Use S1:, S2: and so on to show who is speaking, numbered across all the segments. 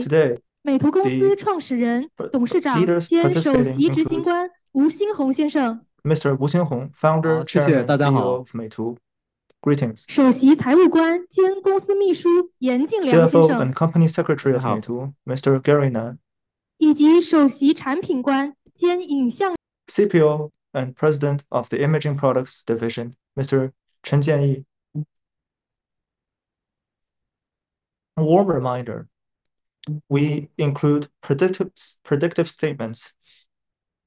S1: Today Meitu Company leaders participating, Mr. Wu Xinhong, Founder, Chairman and CEO of Meitu, greetings. CFO and Company Secretary of Meitu, Mr. Gary Ngan. CPO and President of the Imaging Products Division, Mr. Chen Jianyi. A warm reminder, we include predictive statements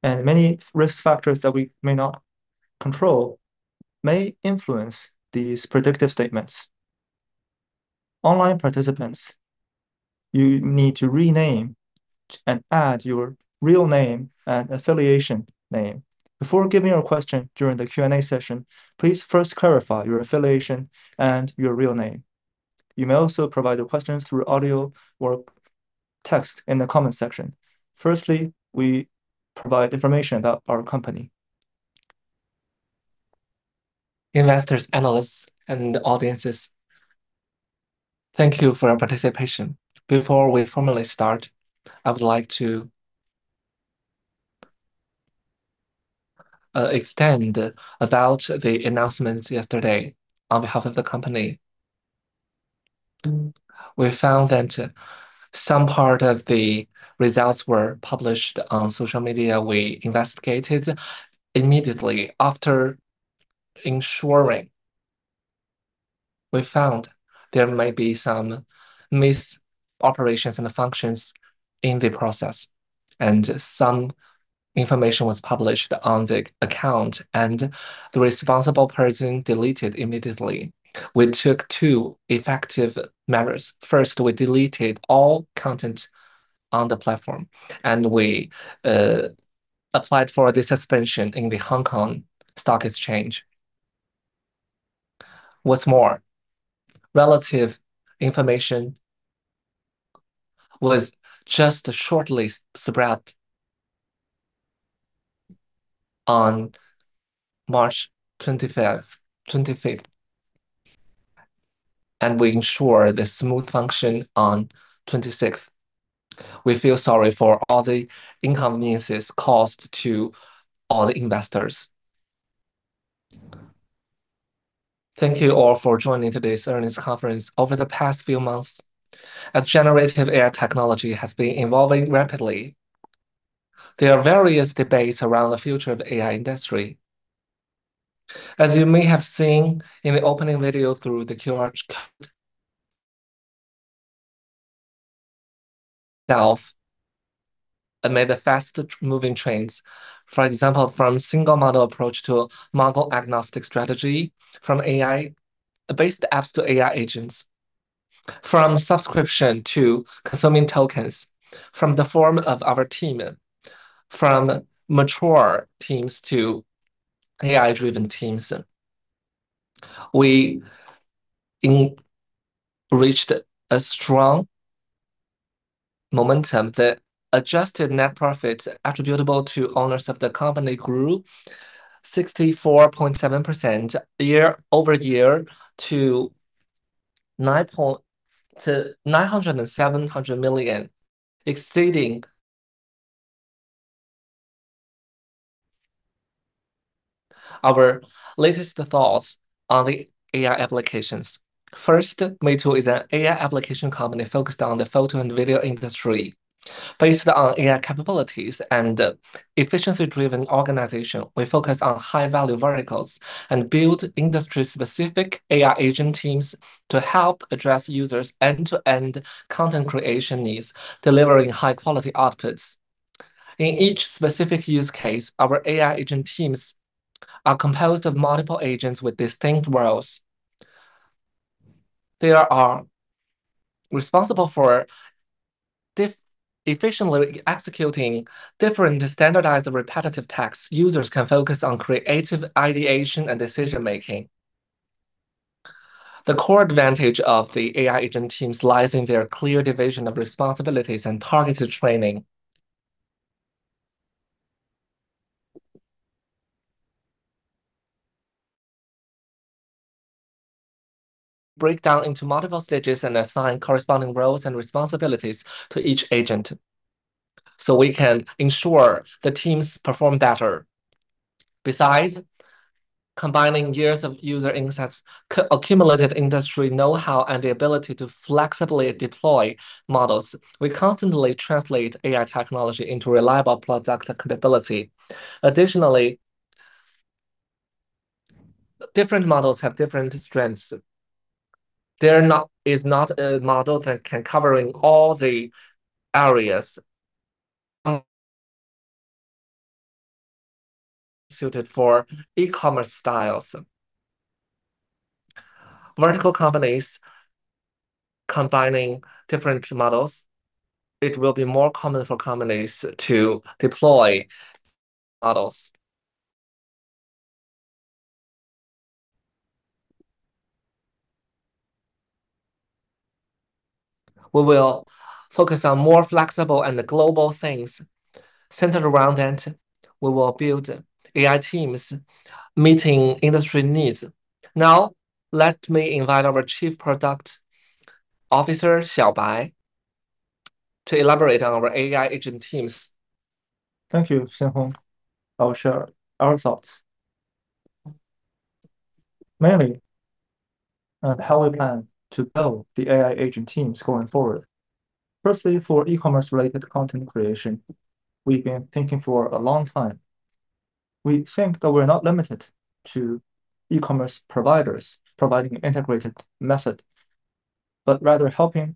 S1: and many risk factors that we may not control may influence these predictive statements. Online participants, you need to rename and add your real name and affiliation name. Before giving your question during the Q&A session, please first clarify your affiliation and your real name. You may also provide your questions through audio or text in the comment section. Firstly, we provide information about our company.
S2: Investors, analysts and audiences, thank you for your participation. Before we formally start, I would like to extend about the announcements yesterday on behalf of the company. We found that some part of the results were published on social media. We investigated immediately. After ensuring, we found there may be some mis-operations in the functions in the process and some information was published on the account and the responsible person delete it immediately. We took two effective measures. First, we deleted all content on the platform and we applied for the suspension in the Hong Kong Stock Exchange. What's more, relative information was just shortly spread on 25 March and we ensure the smooth function on 26. We feel sorry for all the inconveniences caused to all the investors. Thank you all for joining today's earnings conference. Over the past few months, as generative AI technology has been evolving rapidly, there are various debates around the future of AI industry. As you may have seen in the opening video through the QR code self amid the fast moving trends. For example, from single model approach to model-agnostic strategy, from AI-based apps to AI agents, from subscription to consuming tokens, from the form of our team, from mature teams to AI-driven teams. We reached a strong momentum. The adjusted net profits attributable to owners of the company grew 64.7% year-over-year to RMB 907 million. Our latest thoughts on the AI applications. First, Meitu is an AI application company focused on the photo and video industry. Based on AI capabilities and efficiency-driven organization, we focus on high-value verticals and build industry-specific AI agent teams to help address users' end-to-end content creation needs, delivering high-quality outputs. In each specific use case, our AI agent teams are composed of multiple agents with distinct roles. They are responsible for efficiently executing different standardized repetitive tasks. Users can focus on creative ideation and decision making. The core advantage of the AI agent teams lies in their clear division of responsibilities and targeted training. Break down into multiple stages and assign corresponding roles and responsibilities to each agent, so we can ensure the teams perform better. Besides combining years of user insights, accumulated industry know-how and the ability to flexibly deploy models, we constantly translate AI technology into reliable product capability. Additionally, different models have different strengths. There is not a model that can cover all the areas suited for e-commerce styles. In vertical companies combining different models, it will be more common for companies to deploy models. We will focus on more flexible and global things. Centered around it, we will build AI teams meeting industry needs. Now, let me invite our Chief Product Officer, Xiaobai to elaborate on our AI agent teams.
S3: Thank you, Xinhong. I'll share our thoughts. Mainly on how we plan to build the AI agent teams going forward. Firstly, for e-commerce related content creation, we've been thinking for a long time. We think that we're not limited to e-commerce providers providing integrated method but rather helping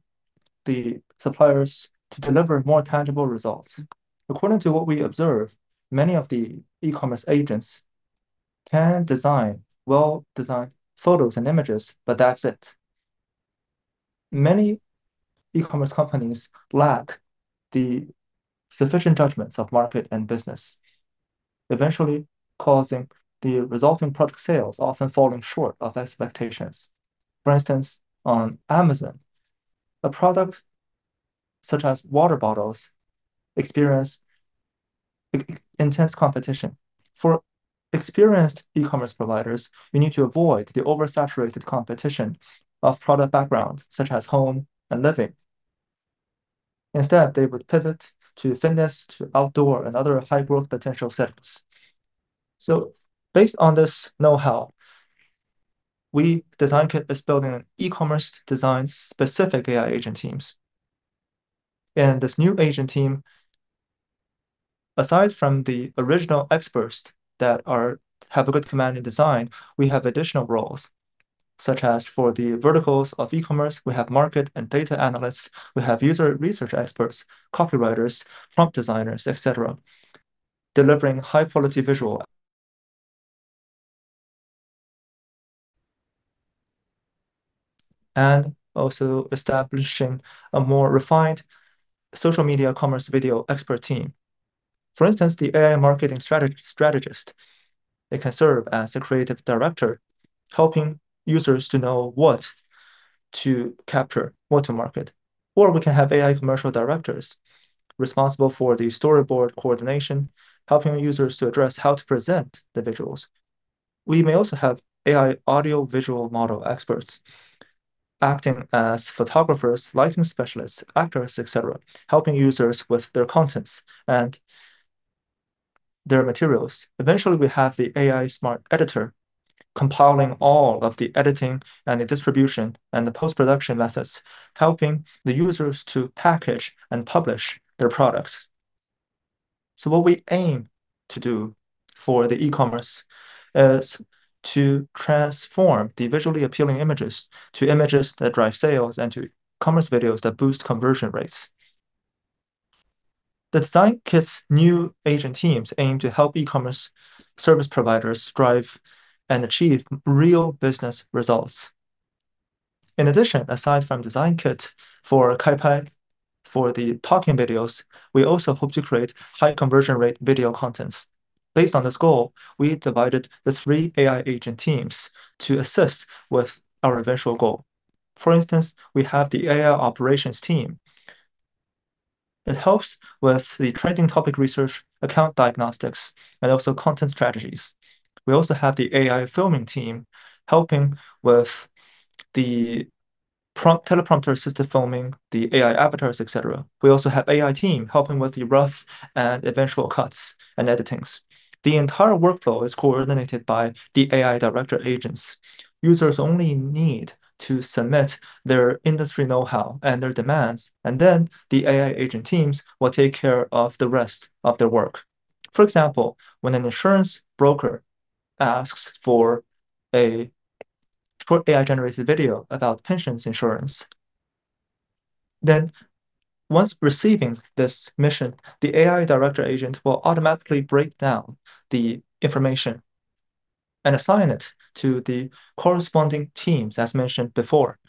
S3: the suppliers to deliver more tangible results. According to what we observe, many of the e-commerce agents can design well-designed photos and images but that's it. Many e-commerce companies lack the sufficient judgments of market and business, eventually causing the resulting product sales often falling short of expectations. For instance, on Amazon, a product such as water bottles experience intense competition. For experienced e-commerce providers, we need to avoid the oversaturated competition of product background such as home and living. Instead, they would pivot to fitness, to outdoor and other high growth potential settings. Based on this know-how, DesignKit is building an e-commerce design specific AI agent teams. This new agent team, aside from the original experts that have a good command in design, we have additional roles, such as for the verticals of e-commerce, we have market and data analysts, we have user research experts, copywriters, prompt designers, et cetera, delivering high quality visual. Establishing a more refined social media commerce video expert team. For instance, the AI marketing strategist, they can serve as a creative director, helping users to know what to capture, what to market or we can have AI commercial directors responsible for the storyboard coordination, helping users to address how to present the visuals. We may also have AI audiovisual model experts acting as photographers, lighting specialists, actors, et cetera, helping users with their contents and their materials. Eventually, we have the AI smart editor compiling all of the editing and the distribution and the post-production methods, helping the users to package and publish their products. What we aim to do for the e-commerce is to transform the visually appealing images to images that drive sales and to e-commerce videos that boost conversion rates. The DesignKit's new agent teams aim to help e-commerce service providers drive and achieve real business results. In addition, aside from DesignKit for Kaipai, for the talking videos, we also hope to create high conversion rate video contents. Based on this goal, we divided the three AI agent teams to assist with our eventual goal. For instance, we have the AI operations team. It helps with the trending topic research, account diagnostics and also content strategies. We also have the AI filming team helping with the teleprompter assisted filming, the AI avatars, et cetera. We also have AI team helping with the rough and eventual cuts and editing. The entire workflow is coordinated by the AI director agents. Users only need to submit their industry know-how and their demands and then the AI agent teams will take care of the rest of their work. For example, when an insurance broker asks for a short AI-generated video about pensions insurance, then once receiving this mission, the AI director agent will automatically break down the information and assign it to the corresponding teams as mentioned before.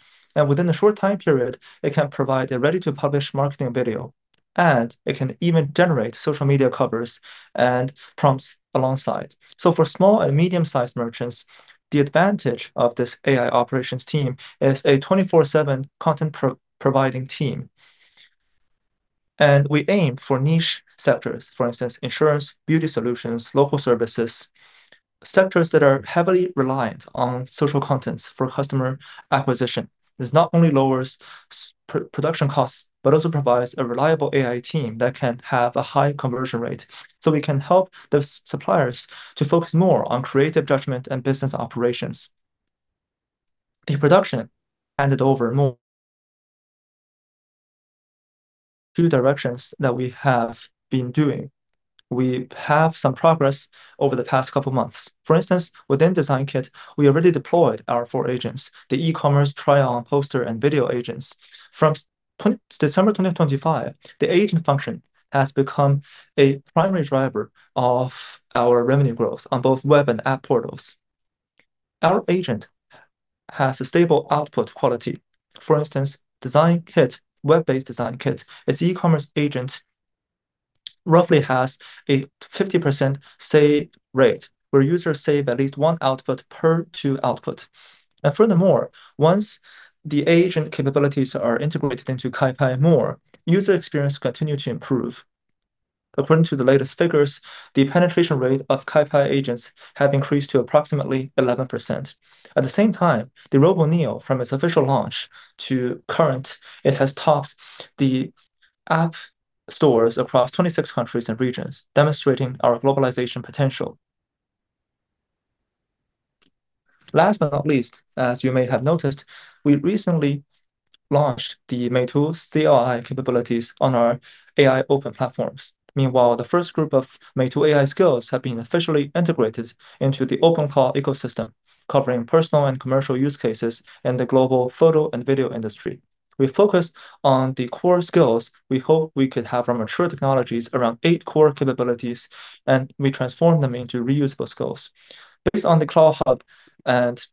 S3: Within a short time period, it can provide a ready-to-publish marketing video and it can even generate social media covers and prompts alongside. For small and medium-sized merchants, the advantage of this AI operations team is a 24/7 content providing team. We aim for niche sectors. For instance, insurance, beauty solutions, local services, sectors that are heavily reliant on social contents for customer acquisition. This not only lowers production costs but also provides a reliable AI team that can have a high conversion rate. We can help the suppliers to focus more on creative judgment and business operations. The production handed over more two directions that we have been doing. We have some progress over the past couple of months. For instance, within DesignKit, we already deployed our four agents, the e-commerce, trial, poster and video agents. From December 2025, the agent function has become a primary driver of our revenue growth on both web and app portals. Our agent has a stable output quality. For instance, DesignKit, web-based DesignKit, its e-commerce agent roughly has a 50% save rate, where users save at least one output per two output. Furthermore, once the agent capabilities are integrated into Kaipai more, user experience continue to improve. According to the latest figures, the penetration rate of Kaipai agents have increased to approximately 11%. At the same time, the RoboNeo from its official launch to current, it has topped the app stores across 26 countries and regions, demonstrating our globalization potential. Last but not least, as you may have noticed, we recently launched the Meitu CLI capabilities on our AI open platforms. Meanwhile, the first group of Meitu AI skills have been officially integrated into the OpenClaw ecosystem, covering personal and commercial use cases in the global photo and video industry. We focused on the core skills we hope we could have from mature technologies around eight core capabilities and we transformed them into reusable skills. Based on the ClawHub and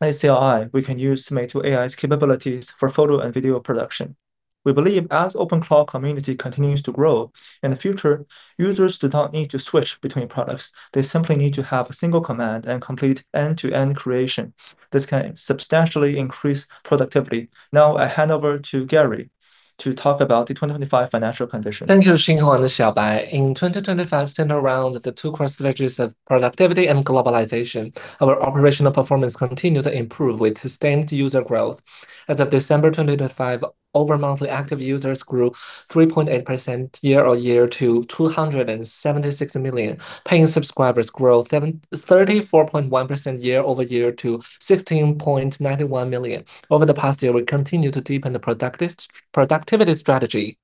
S3: CLI, we can use Meitu AI's capabilities for photo and video production. We believe as OpenClaw community continues to grow, in the future, users do not need to switch between products. They simply need to have a single command and complete end-to-end creation. This can substantially increase productivity. Now I hand over to Gary to talk about the 2025 financial condition.
S4: Thank you, Xinhong and Xiaobai. In 2025, centered around the two core strategies of productivity and globalization, our operational performance continued to improve with sustained user growth. As of December 2025, our monthly active users grew 3.8% year-over-year to 276 million. Paying subscribers grew 34.1% year-over-year to 16.91 million. Over the past year, we continued to deepen the productivity strategy.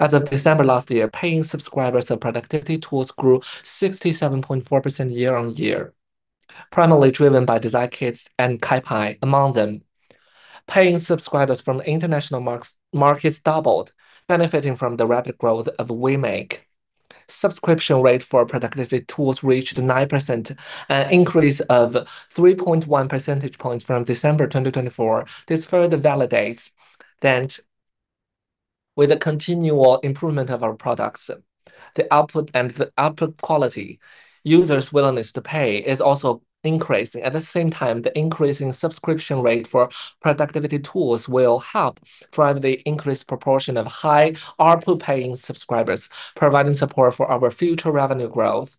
S4: As of December last year, paying subscribers of productivity tools grew 67.4% year-on-year, primarily driven by DesignKit and Kaipai among them. Paying subscribers from international markets doubled, benefiting from the rapid growth of Vmake. Subscription rate for productivity tools reached 9%, an increase of 3.1 percentage points from December 2024. This further validates that with the continual improvement of our products, the output and the output quality, user's willingness to pay is also increasing. At the same time, the increase in subscription rate for productivity tools will help drive the increased proportion of high ARPU paying subscribers, providing support for our future revenue growth.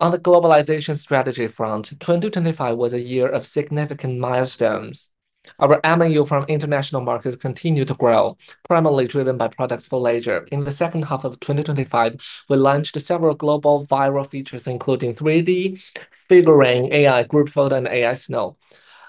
S4: On the globalization strategy front, 2025 was a year of significant milestones. Our MAU from international markets continued to grow, primarily driven by products for leisure. In the second half of 2025, we launched several global viral features, including 3D figurine, AI group photo and AI snow.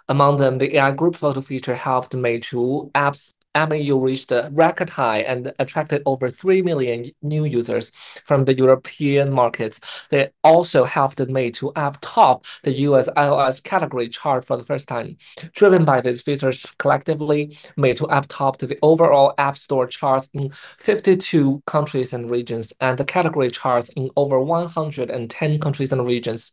S4: Among them, the AI group photo feature helped Meitu apps MAU reach the record high and attracted over 3 million new users from the European markets. They also helped the Meitu app top the U.S. iOS category chart for the first time. Driven by these features, collectively, Meitu app topped the overall App Store charts in 52 countries and regions and the category charts in over 110 countries and regions.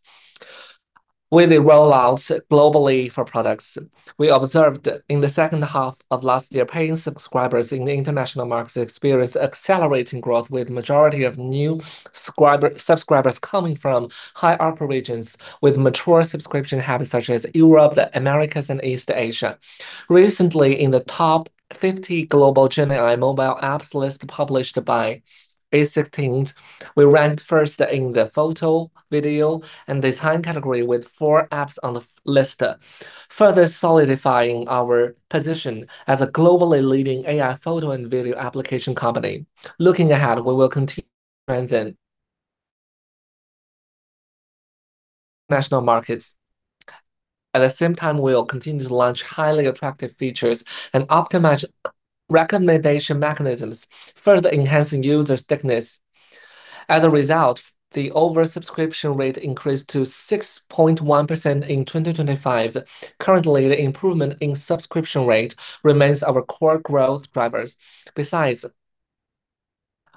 S4: With the rollouts globally for products, we observed in the second half of last year, paying subscribers in the international markets experienced accelerating growth, with majority of new subscribers coming from high ARPU regions with mature subscription habits such as Europe, the Americas and East Asia. Recently, in the top 50 global GenAI mobile apps list published by a16z, we ranked first in the photo, video and design category with four apps on the list, further solidifying our position as a globally leading AI photo and video application company. Looking ahead, we will continue trends in national markets. At the same time, we will continue to launch highly attractive features and optimize recommendation mechanisms, further enhancing user stickiness. As a result, the over-subscription rate increased to 6.1% in 2025. Currently, the improvement in subscription rate remains our core growth drivers. Besides,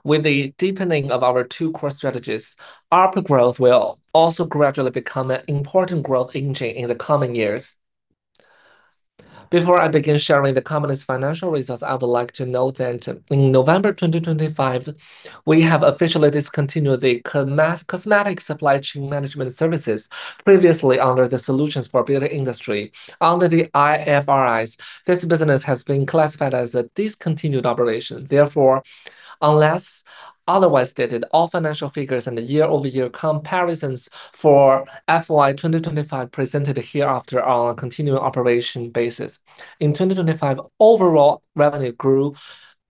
S4: with the deepening of our two core strategies, ARPU growth will also gradually become an important growth engine in the coming years. Before I begin sharing the company's financial results, I would like to note that in November 2025, we have officially discontinued the cosmetic supply chain management services previously under the solutions for building industry. Under the IFRS, this business has been classified as a discontinued operation. Therefore, unless otherwise stated, all financial figures and the year-over-year comparisons for FY 2025 presented hereafter are continuing operations basis. In 2025, overall revenue grew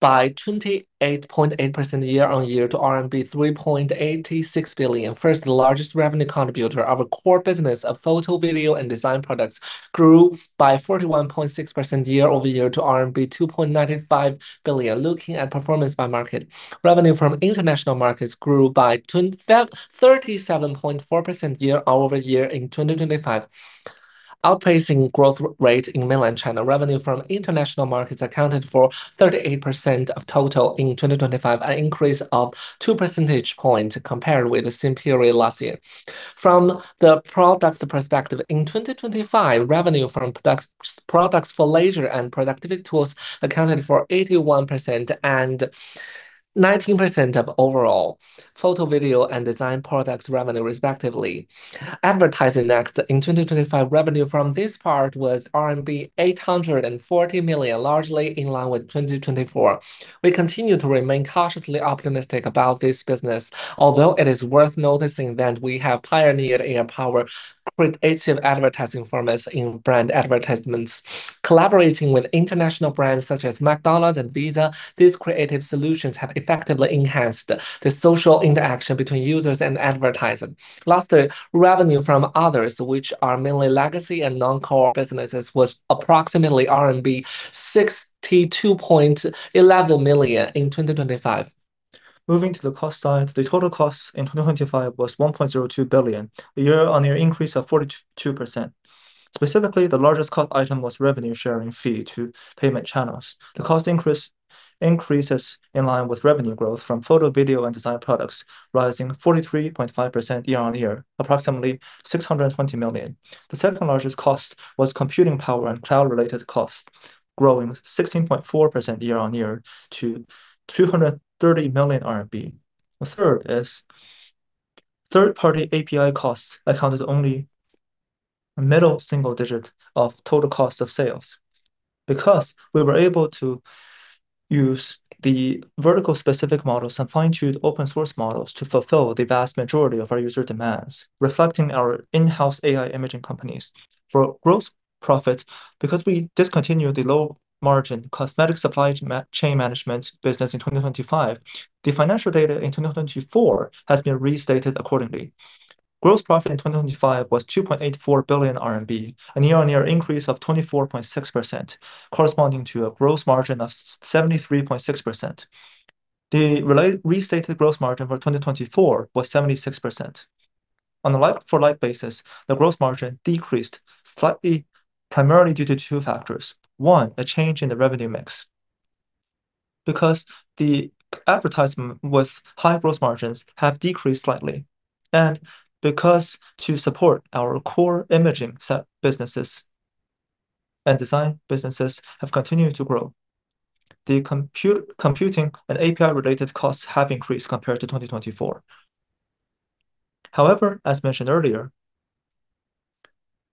S4: by 28.8% year-over-year to RMB 3.86 billion. First, the largest revenue contributor, our core business of photo, video and design products grew by 41.6% year-over-year to RMB 2.95 billion. Looking at performance by market, revenue from international markets grew by 37.4 % year-over-year in 2025, outpacing growth rate in mainland China. Revenue from international markets accounted for 38% of total in 2025, an increase of two percentage points compared with the same period last year. From the product perspective, in 2025, revenue from products for leisure and productivity tools accounted for 81% and 19% of overall photo, video and design products revenue respectively. Advertising next, in 2025 revenue from this part was RMB 840 million, largely in line with 2024. We continue to remain cautiously optimistic about this business, although it is worth noticing that we have pioneered AI-powered creative advertising formats in brand advertisements. Collaborating with international brands such as McDonald's and Visa, these creative solutions have effectively enhanced the social interaction between users and advertisers. Last, revenue from others, which are mainly legacy and non-core businesses, was approximately RMB 62.11 million in 2025. Moving to the cost side, the total cost in 2025 was 1.02 billion, a year-on-year increase of 42%. Specifically, the largest cost item was revenue sharing fee to payment channels. The cost increase in line with revenue growth from photo, video and design products, rising 43.5% year-on-year, approximately 620 million. The second-largest cost was computing power and cloud-related costs, growing 16.4% year-on-year to RMB 230 million. The third is third-party API costs, accounted for only a mid-single-digit % of total cost of sales. Because we were able to use the vertical-specific models and fine-tune open source models to fulfill the vast majority of our user demands, reflecting our in-house AI imaging capabilities. For gross profit, because we discontinued the low-margin cosmetic supply chain management business in 2025, the financial data in 2024 has been restated accordingly. Gross profit in 2025 was 2.84 billion RMB, a year-on-year increase of 24.6%, corresponding to a gross margin of 73.6%. The restated gross margin for 2024 was 76%. On a like-for-like basis, the gross margin decreased slightly, primarily due to two factors. One, a change in the revenue mix. Because the advertising with high gross margins have decreased slightly and because to support our core imaging businesses and design businesses have continued to grow, the computing and API-related costs have increased compared to 2024. However, as mentioned earlier,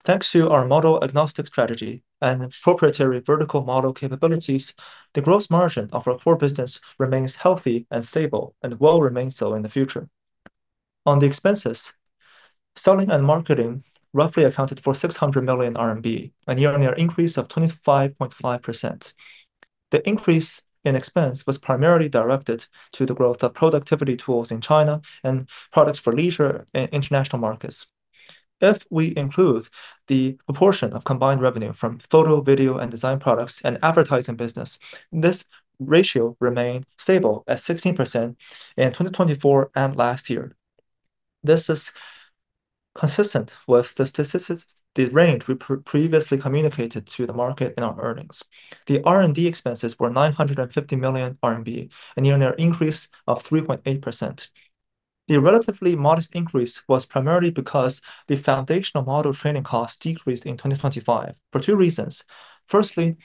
S4: thanks to our model-agnostic strategy and proprietary vertical model capabilities, the gross margin of our core business remains healthy and stable and will remain so in the future. On the expenses, selling and marketing roughly accounted for 600 million RMB, a year-on-year increase of 25.5%. The increase in expense was primarily directed to the growth of productivity tools in China and products for leisure in international markets. If we include the proportion of combined revenue from photo, video and design products and advertising business, this ratio remained stable at 16% in 2024 and last year. This is consistent with the statistics, the range we previously communicated to the market in our earnings. The R&D expenses were 950 million RMB, a year-on-year increase of 3.8%. The relatively modest increase was primarily because the foundational model training costs decreased in 2025 for two reasons. Firstly,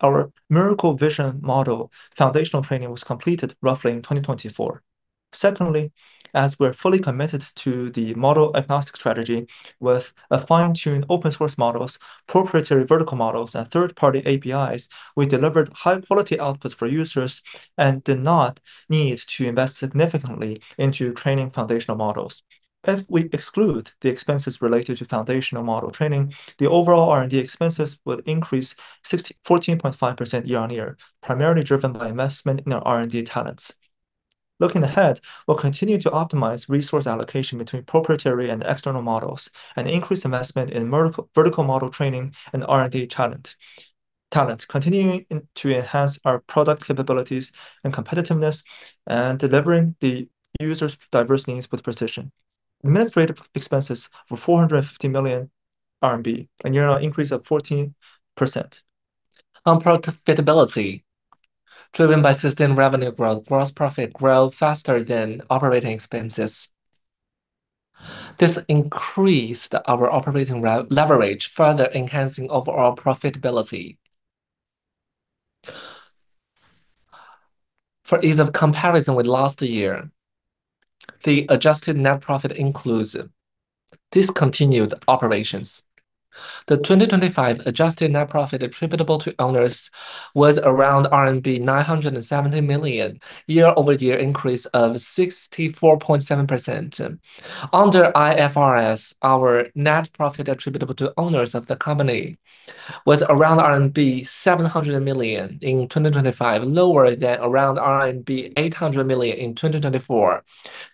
S4: our MiracleVision model foundational training was completed roughly in 2024. Secondly, as we're fully committed to the model-agnostic strategy with fine-tuned open source models, proprietary vertical models and third-party APIs, we delivered high-quality outputs for users and did not need to invest significantly into training foundational models. If we exclude the expenses related to foundational model training, the overall R&D expenses would increase 14.5% year-on-year, primarily driven by investment in our R&D talents. Looking ahead, we'll continue to optimize resource allocation between proprietary and external models and increase investment in vertical model training and R&D talent, continuing to enhance our product capabilities and competitiveness and delivering the users' diverse needs with precision. Administrative expenses were 450 million RMB, a year-on-year increase of 14%. On profitability, driven by sustained revenue growth, gross profit grew faster than operating expenses. This increased our operating leverage, further enhancing overall profitability. For ease of comparison with last year, the adjusted net profit includes discontinued operations. The 2025 adjusted net profit attributable to owners was around RMB 970 million, year-over-year increase of 64.7%. Under IFRS, our net profit attributable to owners of the company was around RMB 700 million in 2025, lower than around RMB 800 million in 2024.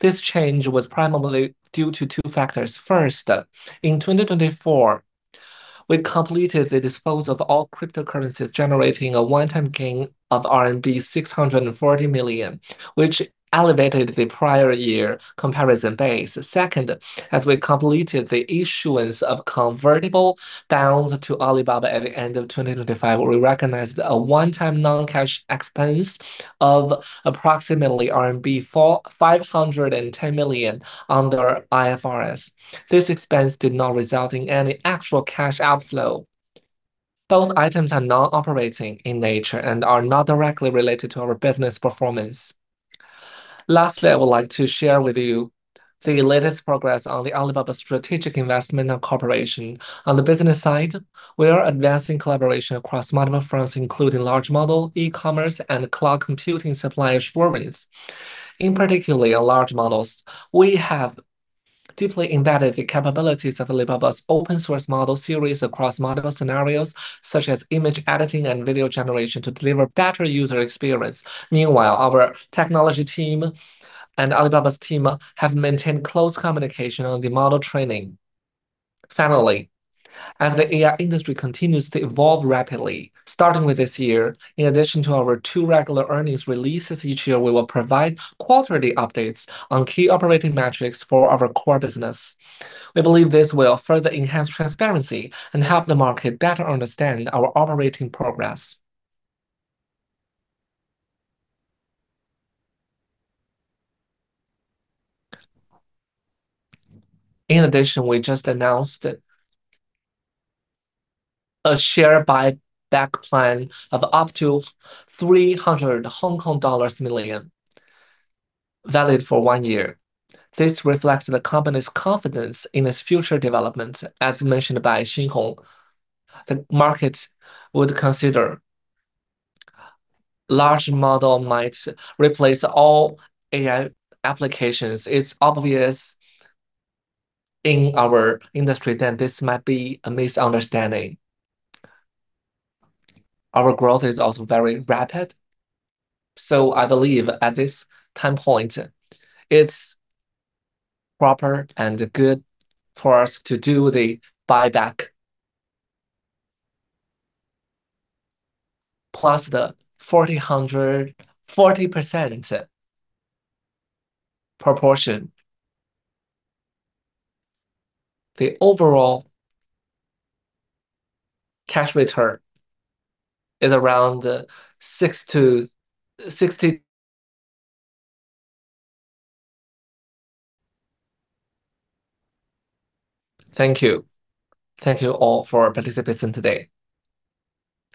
S4: This change was primarily due to two factors. First, in 2024, we completed the disposal of all cryptocurrencies, generating a one-time gain of RMB 640 million, which elevated the prior year comparison base. Second, as we completed the issuance of convertible bonds to Alibaba at the end of 2025, we recognized a one-time non-cash expense of approximately RMB 510 million under IFRS. This expense did not result in any actual cash outflow. Both items are non-operating in nature and are not directly related to our business performance. Lastly, I would like to share with you the latest progress on the Alibaba strategic investment and cooperation. On the business side, we are advancing collaboration across multiple fronts, including large model, e-commerce and cloud computing supplier offerings. In particular, large models, we have deeply embedded the capabilities of Alibaba's open source model series across multiple scenarios, such as image editing and video generation to deliver better user experience. Meanwhile, our technology team and Alibaba's team have maintained close communication on the model training. Finally, as the AI industry continues to evolve rapidly, starting with this year, in addition to our two regular earnings releases each year, we will provide quarterly updates on key operating metrics for our core business. We believe this will further enhance transparency and help the market better understand our operating progress. In addition, we just announced that a share buyback plan of up to 300 million Hong Kong dollars, valid for one year. This reflects the company's confidence in its future development, as mentioned by Xinhong. The market would consider large model might replace all AI applications. It's obvious in our industry that this might be a misunderstanding. Our growth is also very rapid, so I believe at this time point, it's proper and good for us to do the buyback. Plus the 40% proportion. The overall cash return is around 6%-60%. Thank you.
S1: Thank you all for participating today.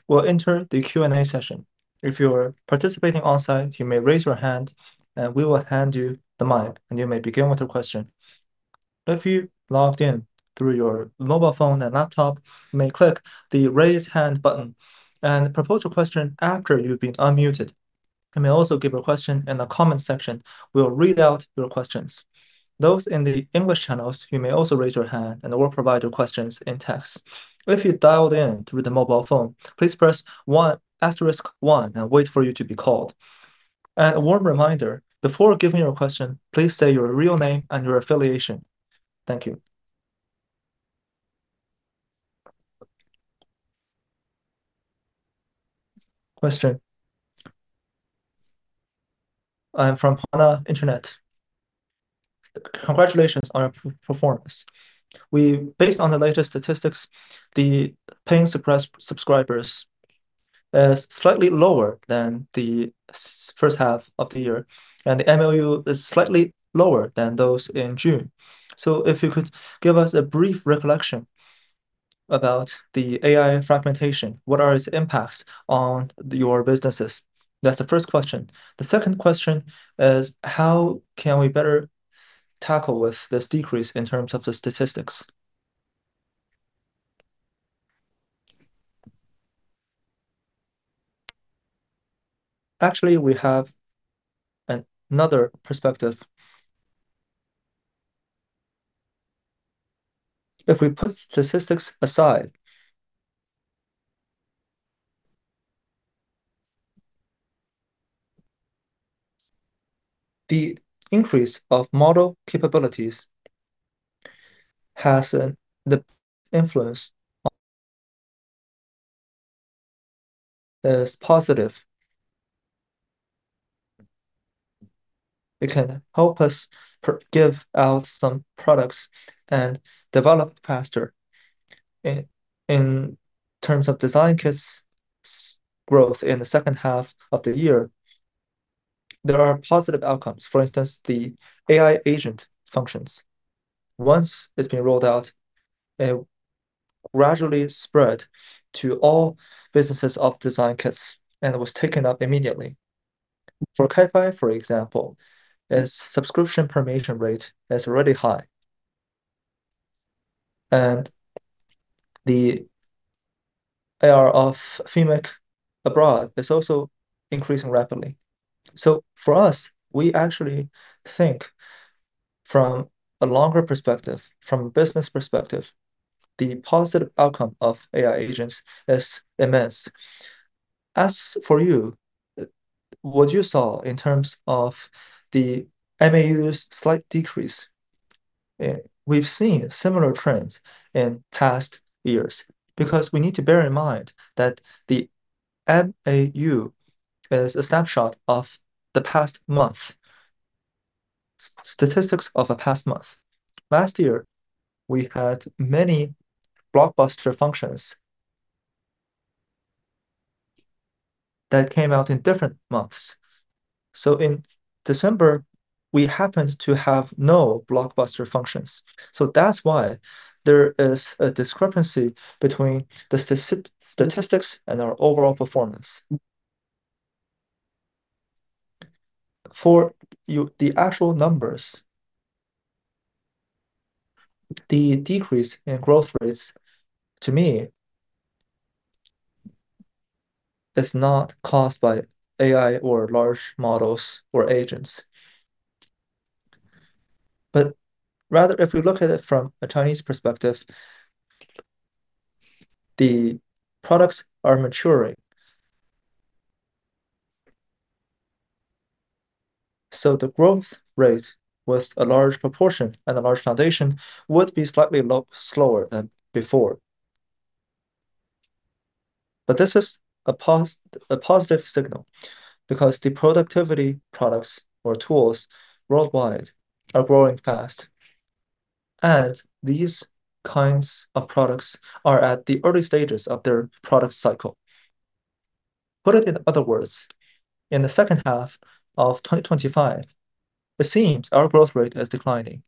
S1: We'll enter the Q&A session. If you're participating on-site, you may raise your hand and we will hand you the mic and you may begin with your question. If you logged in through your mobile phone and laptop, you may click the Raise Hand button and propose your question after you've been unmuted. You may also give a question in the comment section. We will read out your questions. Those in the English channels, you may also raise your hand and we'll provide your questions in text. If you dialed in through the mobile phone, please press star one and wait to be called. A warm reminder, before giving your question, please state your real name and your affiliation. Thank you.
S5: Question. I'm from [Pana Internet]. Congratulations on your performance. Based on the latest statistics, the paying subscribers is slightly lower than the first half of the year and the MAU is slightly lower than those in June. If you could give us a brief reflection about the AI fragmentation, what are its impacts on your businesses? That's the first question. The second question is how can we better tackle with this decrease in terms of the statistics?
S3: Actually, we have another perspective. If we put statistics aside, the increase of model capabilities has the influence on is positive. It can help us give out some products and develop faster. In terms of DesignKit growth in the second half of the year, there are positive outcomes. For instance, the AI agent functions. Once it's been rolled out, it gradually spread to all businesses of DesignKit and was taken up immediately. For Kaipai, for example, its subscription penetration rate is really high. The ARPU of Meitu abroad is also increasing rapidly. For us, we actually think from a longer perspective, from a business perspective, the positive outcome of AI agents is immense. As for you, what you saw in terms of the MAU's slight decrease, we've seen similar trends in past years, because we need to bear in mind that the MAU is a snapshot of the past month. Statistics of a past month. Last year, we had many blockbuster functions that came out in different months. In December, we happened to have no blockbuster functions. That's why there is a discrepancy between the statistics and our overall performance. For you, the actual numbers, the decrease in growth rates to me is not caused by AI or large models or agents. Rather, if you look at it from a Chinese perspective, the products are maturing. The growth rate with a large proportion and a large foundation would be slightly slower than before. This is a positive signal because the productivity products or tools worldwide are growing fast and these kinds of products are at the early stages of their product cycle. Put it in other words, in the second half of 2025, it seems our growth rate is declining.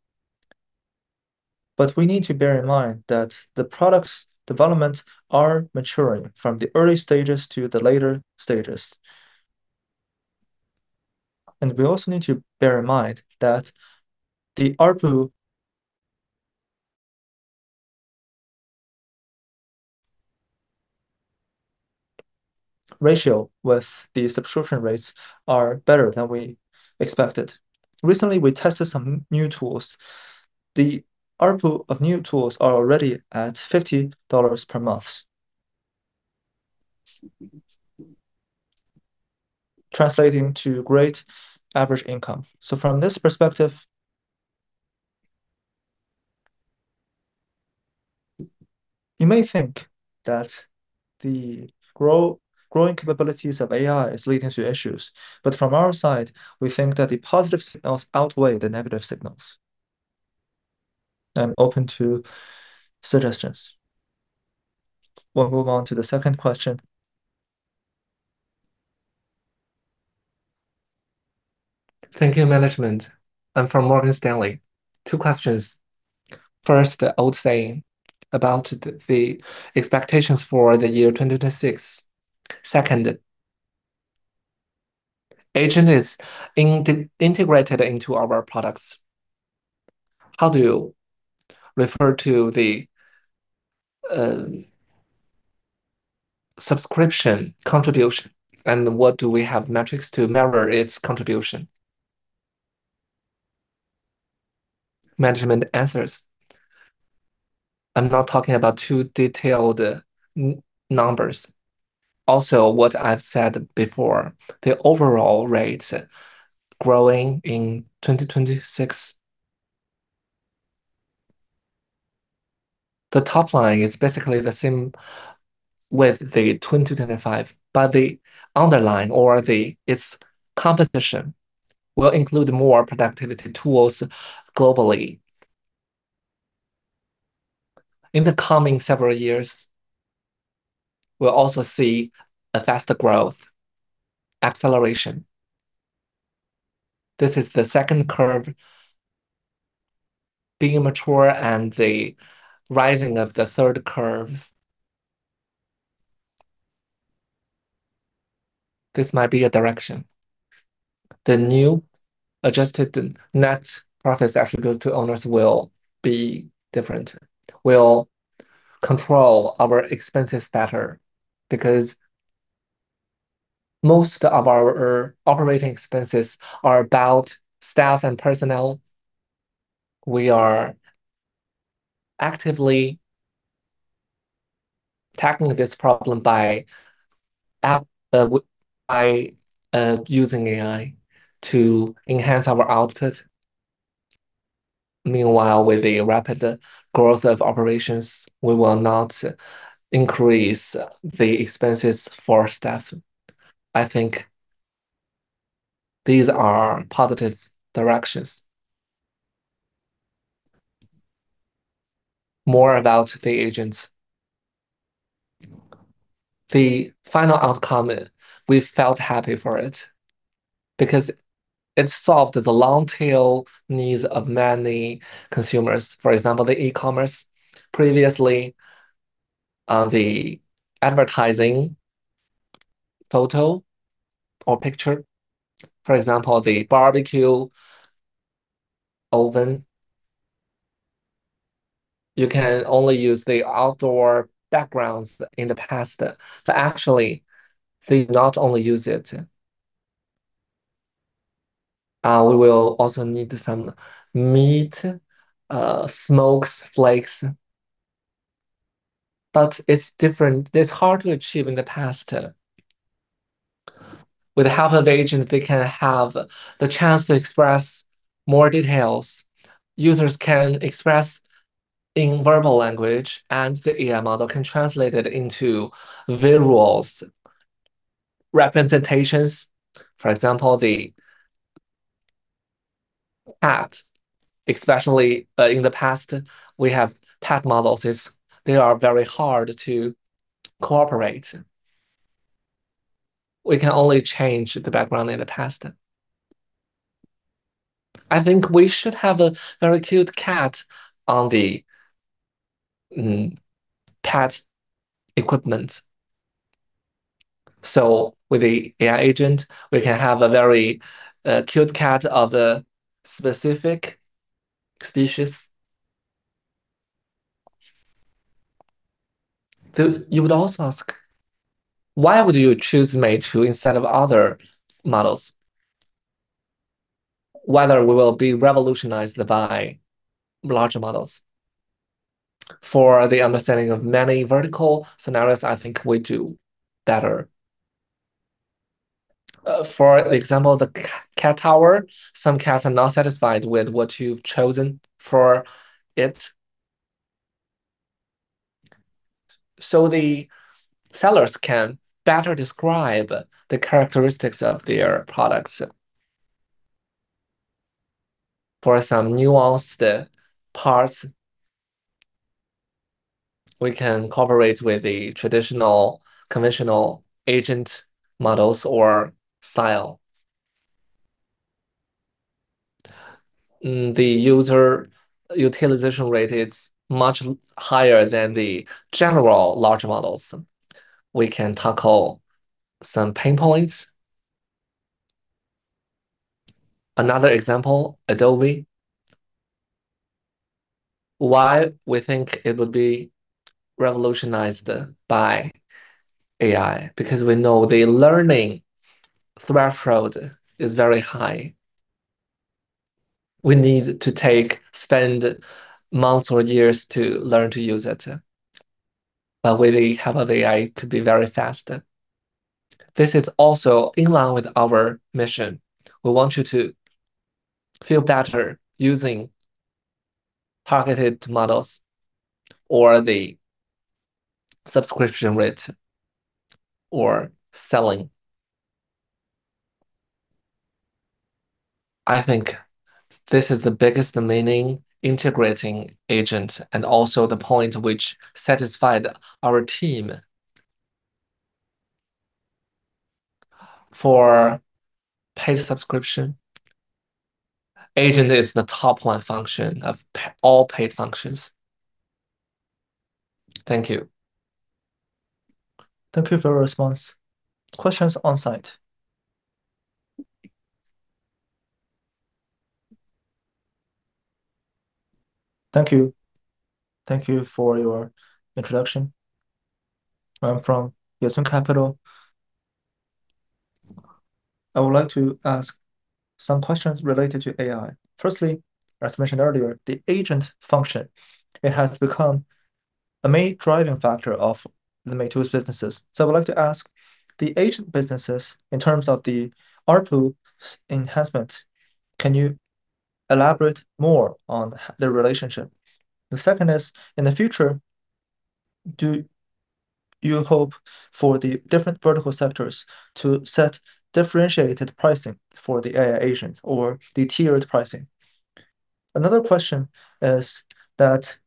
S3: We need to bear in mind that the products developments are maturing from the early stages to the later stages. We also need to bear in mind that the ARPU ratio with the subscription rates are better than we expected. Recently, we tested some new tools. The ARPU of new tools are already at $50 per month, translating to great average income. From this perspective, you may think that the growing capabilities of AI is leading to issues but from our side, we think that the positive signals outweigh the negative signals. I'm open to suggestions.
S1: We'll move on to the second question.
S6: Thank you, management. I'm from Morgan Stanley. Two questions. First, the old saying about the expectations for the year 2026. Second, agent is integrated into our products. How do you refer to the subscription contribution and what do we have metrics to measure its contribution?
S1: Management answers.
S2: I'm not talking about too detailed numbers. Also, what I've said before, the overall rates growing in 2026. The top line is basically the same with the 2025 but the underlying or the, its composition will include more productivity tools globally. In the coming several years, we'll also see a faster growth acceleration. This is the second curve being mature and the rising of the third curve. This might be a direction. The new adjusted net profits attributable to owners will be different. We'll control our expenses better because most of our operating expenses are about staff and personnel. We are actively tackling this problem by using AI to enhance our output. Meanwhile, with the rapid growth of operations, we will not increase the expenses for staff. I think these are positive directions. More about the agents. The final outcome, we felt happy for it because it solved the long tail needs of many consumers. For example, the e-commerce previously, the advertising photo or picture, for example, the barbecue oven, you can only use the outdoor backgrounds in the past but actually they not only use it. We will also need some more snowflakes but it's different. That's hard to achieve in the past. With the help of agent, they can have the chance to express more details. Users can express in verbal language and the AI model can translate it into visuals, representations. For example, that, especially, in the past, we have pet models, they are very hard to cooperate. We can only change the background in the past. I think we should have a very cute cat on the pet equipment. With the AI agent, we can have a very cute cat of a specific species. You would also ask, why would you choose Meitu instead of other models? Whether we will be revolutionized by larger models. For the understanding of many vertical scenarios, I think we do better. For example, the cat tower, some cats are not satisfied with what you've chosen for it. The sellers can better describe the characteristics of their products. For some nuanced parts, we can cooperate with the traditional conventional agent models or style. The user utilization rate is much higher than the general large models. We can tackle some pain points. Another example, Adobe. Why we think it would be revolutionized by AI, because we know the learning threshold is very high. We need to spend months or years to learn to use it. With the help of AI, it could be very fast. This is also in line with our mission. We want you to feel better using targeted models or the subscription rate or selling. I think this is the biggest meaning integrating agent and also the point which satisfied our team. For paid subscription, agent is the top line function of all paid functions. Thank you.
S6: Thank you for your response.
S1: Questions on site.
S7: Thank you. Thank you for your introduction. I'm from [Ysun Capital]. I would like to ask some questions related to AI. Firstly, as mentioned earlier, the agent function, it has become a main driving factor of the Meitu's businesses. I would like to ask the agent businesses in terms of the ARPU's enhancement, can you elaborate more on the relationship? The second is, in the future, do you hope for the different vertical sectors to set differentiated pricing for the AI agent or the tiered pricing? Another question is that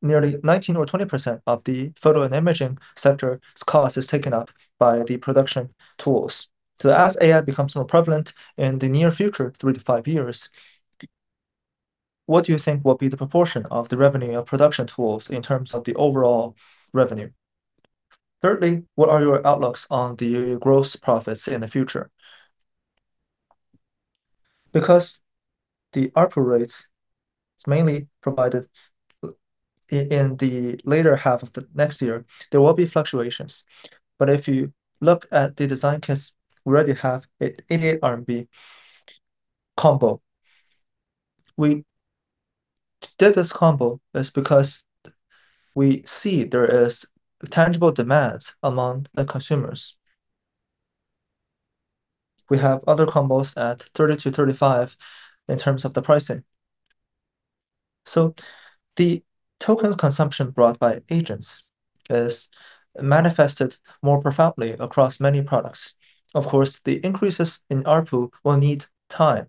S7: nearly 19%-20% of the photo and imaging sector's cost is taken up by the production tools. As AI becomes more prevalent in the near future, three-five years, what do you think will be the proportion of the revenue of production tools in terms of the overall revenue? Thirdly, what are your outlooks on the gross profits in the future?
S4: Because the ARPU rate is mainly provided in the later half of the next year, there will be fluctuations. If you look at the design case, we already have it in a RMB combo. We did this combo is because we see there is tangible demands among the consumers. We have other combos at 30-35 in terms of the pricing. The token consumption brought by agents is manifested more profoundly across many products. Of course, the increases in ARPU will need time.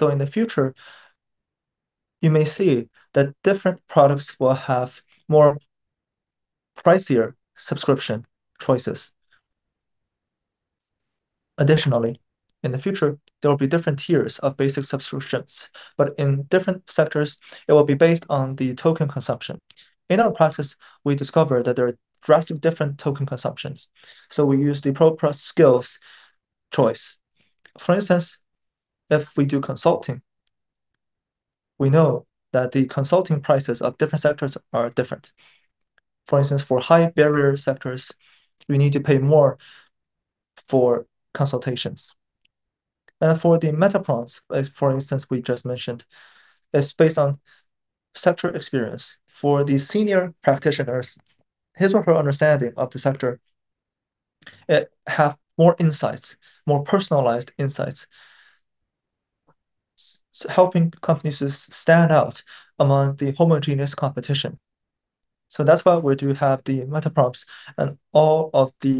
S4: In the future, you may see that different products will have more pricier subscription choices. Additionally, in the future, there will be different tiers of basic subscriptions but in different sectors, it will be based on the token consumption. In our practice, we discovered that there are drastically different token consumptions, so we use the proper price skills choice. For instance, if we do consulting, we know that the consulting prices of different sectors are different. For instance, for high barrier sectors, we need to pay more for consultations. For the Meitu Plans, like for instance we just mentioned, it's based on sector experience. For the senior practitioners, his or her understanding of the sector have more insights, more personalized insights, helping companies to stand out among the homogeneous competition. That's why we do have the Meitu Plans and all of the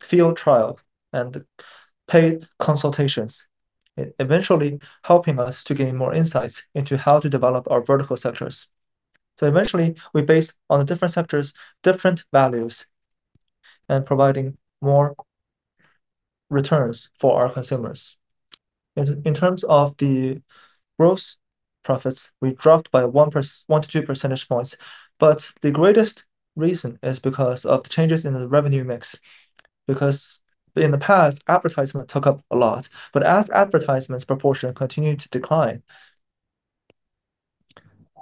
S4: field trial and paid consultations, eventually helping us to gain more insights into how to develop our vertical sectors. Eventually, we base on the different sectors, different values and providing more returns for our consumers. In terms of the gross profits, we dropped by 1-2 percentage points but the greatest reason is because of the changes in the revenue mix, because in the past, advertisement took up a lot. As advertisement's proportion continued to decline,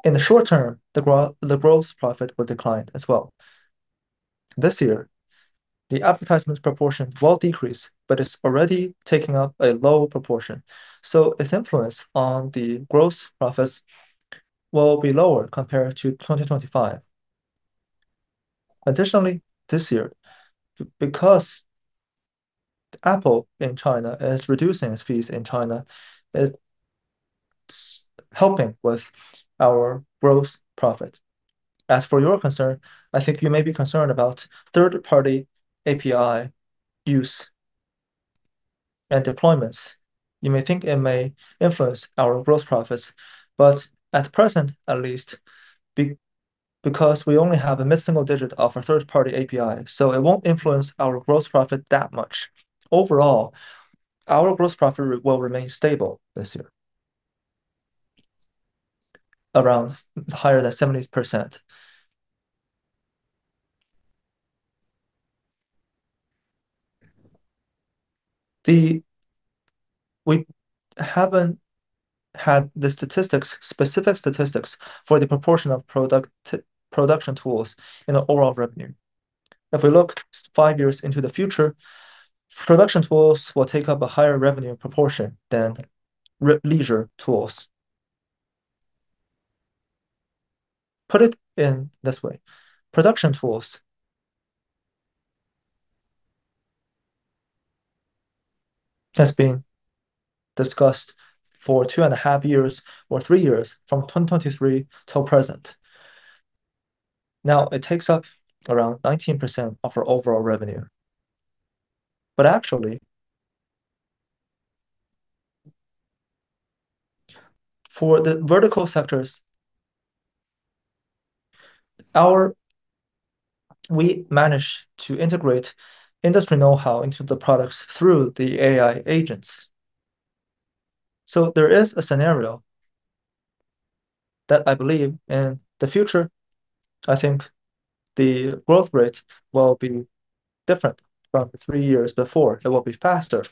S4: in the short term, the gross profit will decline as well. This year, the advertisement proportion will decrease but it's already taking up a lower proportion, so its influence on the gross profits will be lower compared to 2025. Additionally, this year, because Apple in China is reducing its fees in China, it's helping with our gross profit. As for your concern, I think you may be concerned about third-party API use and deployments. You may think it may influence our gross profits but at present at least, because we only have a minimal digit of a third-party API, so it won't influence our gross profit that much. Overall, our gross profit will remain stable this year, around higher than 70%. We haven't had the statistics, specific statistics for the proportion of product to production tools in our overall revenue. If we look five years into the future, production tools will take up a higher revenue proportion than leisure tools. Put it in this way, production tools has been discussed for two and a half years or three years, from 2023 till present. Now, it takes up around 19% of our overall revenue. But actually, for the vertical sectors, we managed to integrate industry know-how into the products through the AI agents. There is a scenario that I believe in the future, I think the growth rate will be different from the three years before. It will be faster.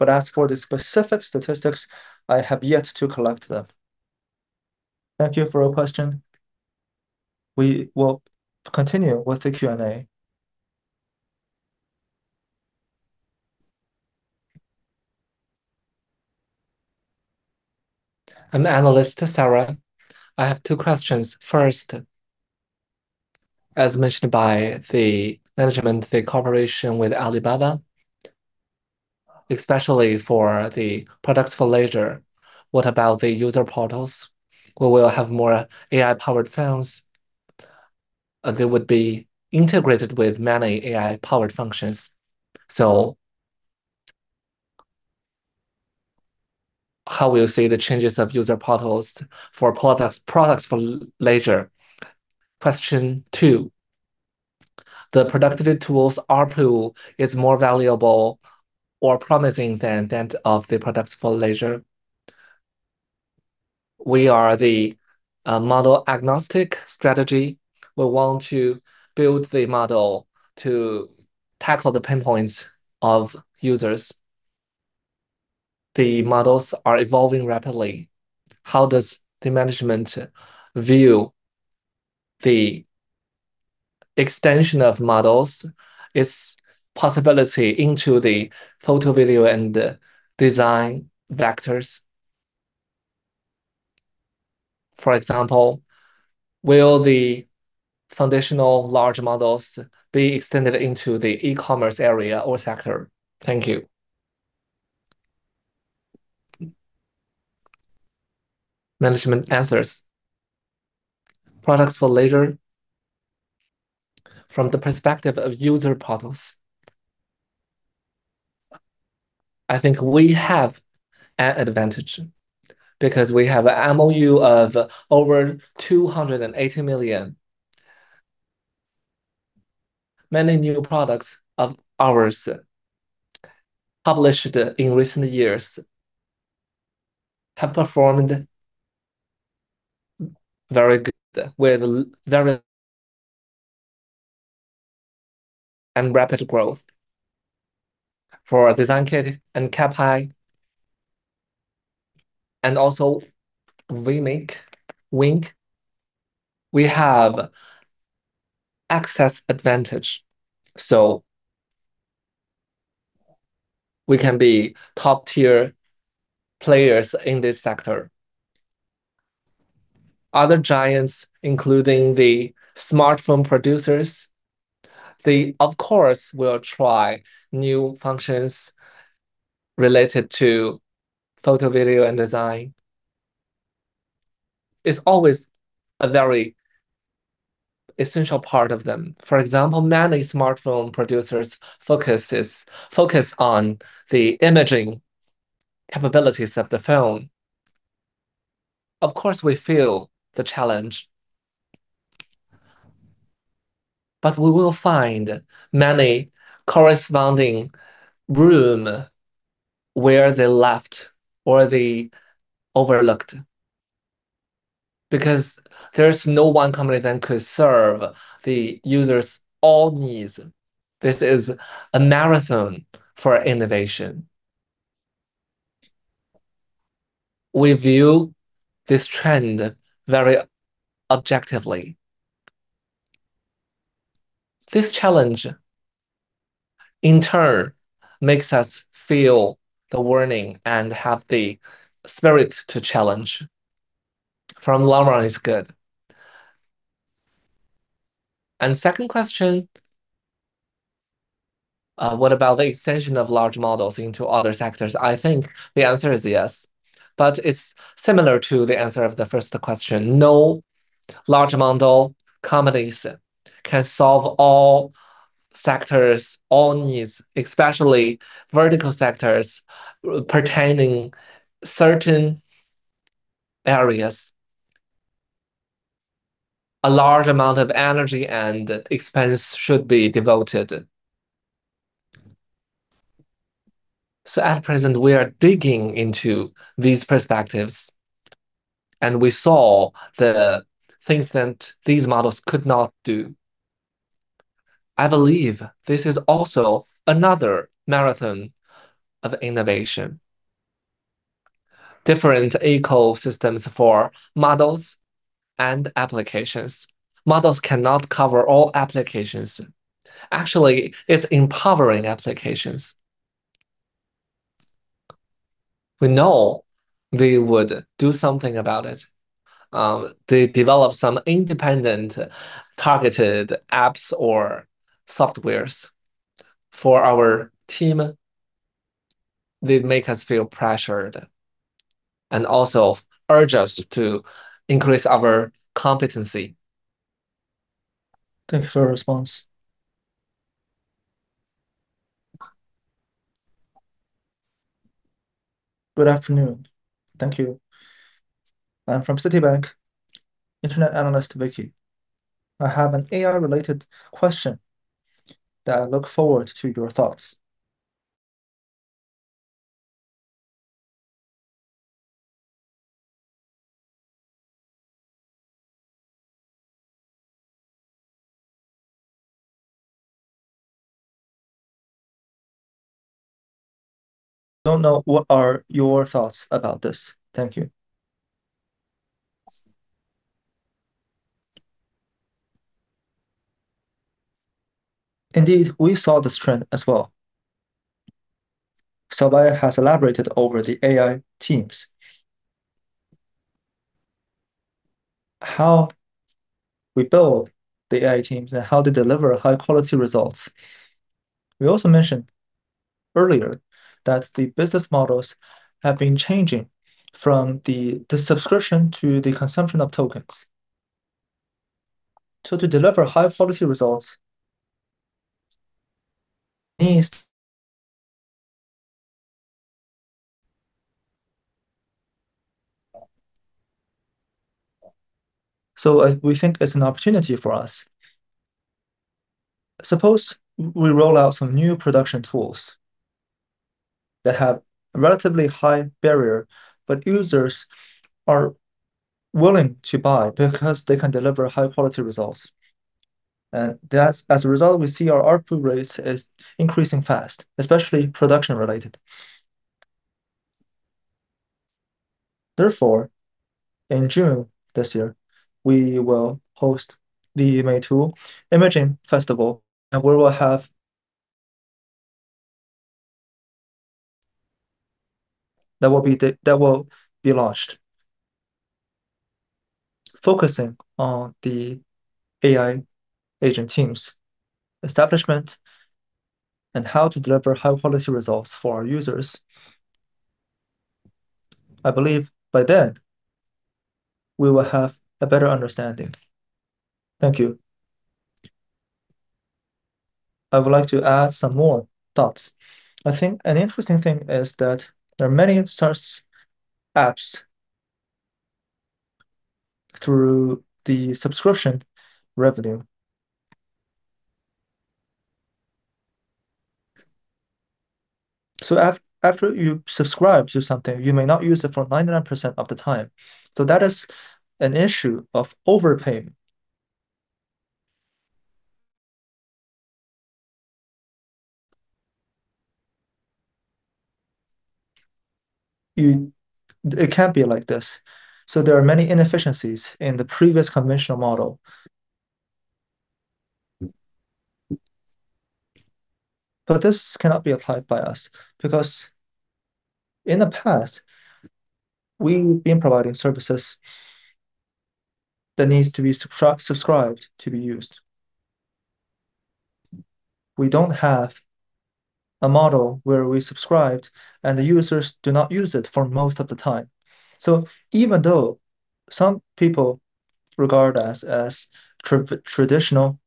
S4: As for the specific statistics, I have yet to collect them.
S1: Thank you for your question. We will continue with the Q&A.
S8: I'm Analyst Sara. I have two questions. First, as mentioned by the management, the cooperation with Alibaba, especially for the products for leisure, what about the user portals? We will have more AI-powered phones. They would be integrated with many AI-powered functions. How will you see the changes of user portals for products for leisure? Question two, the productivity tools ARPU is more valuable or promising than that of the products for leisure. We are the model-agnostic strategy. We want to build the model to tackle the pain points of users. The models are evolving rapidly. How does the management view the extension of models, its possibility into the photo, video and design vectors? For example, will the foundational large models be extended into the e-commerce area or sector? Thank you.
S1: Management answers.
S2: Products for leisure, from the perspective of user portals, I think we have an advantage because we have a MAU of over 280 million. Many new products of ours published in recent years have performed very good with very and rapid growth. For DesignKit and Kaipai and also Vmake, Wink, we have access advantage, so we can be top-tier players in this sector. Other giants, including the smartphone producers. They, of course, will try new functions related to photo, video and design. It's always a very essential part of them. For example, many smartphone producers focus on the imaging capabilities of the phone. Of course, we feel the challenge but we will find many corresponding room where they left or they overlooked. Because there's no one company that could serve the users' all needs. This is a marathon for innovation. We view this trend very objectively. This challenge, in turn, makes us feel the warning and have the spirit to challenge. From long run, it's good. Second question, what about the extension of large models into other sectors? I think the answer is yes but it's similar to the answer of the first question. No large model companies can solve all sectors, all needs, especially vertical sectors pertaining certain areas. A large amount of energy and expense should be devoted. At present, we are digging into these perspectives and we saw the things that these models could not do. I believe this is also another marathon of innovation. Different ecosystems for models and applications. Models cannot cover all applications. Actually, it's empowering applications. We know they would do something about it. They develop some independent targeted apps or software. For our team, they make us feel pressured and also urge us to increase our competency.
S8: Thank you for your response.
S9: Good afternoon. Thank you. I'm from Citibank, Internet Analyst Vicky. I have an AI-related question that I look forward to your thoughts. Don't know what are your thoughts about this. Thank you.
S2: Indeed, we saw this trend as well. Huawei has elaborated on the AI teams. How we build the AI teams and how to deliver high quality results. We also mentioned earlier that the business models have been changing from the subscription to the consumption of tokens. To deliver high quality results is an opportunity for us. We think it's an opportunity for us. Suppose we roll out some new production tools that have a relatively high barrier but users are willing to buy because they can deliver high quality results. As a result, we see our ARPU rates is increasing fast, especially production related. Therefore, in June this year, we will host the Meitu Imaging Festival and that will be launched. Focusing on the AI agent teams establishment and how to deliver high quality results for our users. I believe by then, we will have a better understanding. Thank you.
S4: I would like to add some more thoughts. I think an interesting thing is that there are many such apps through the subscription revenue. After you subscribe to something, you may not use it for 99% of the time. That is an issue of overpayment. It can't be like this. There are many inefficiencies in the previous conventional model. This cannot be applied by us because in the past, we've been providing services that need to be subscribed to be used. We don't have a model where we subscribed and the users do not use it for most of the time. Even though some people regard us as traditional